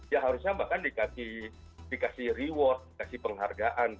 ya harusnya bahkan dikasih reward dikasih penghargaan